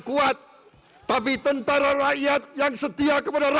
kita perlu intelijens yang unggul dan jujur